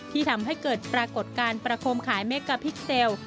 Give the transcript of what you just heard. ที่ทำให้เกิดปรากฏการณ์ประคมขายเมกาพิกเซลล์